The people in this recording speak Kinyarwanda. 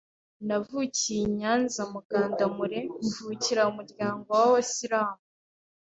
navukiye i Nyanza i Mugandamure, mvukira mu muryango w’ Abasilamu.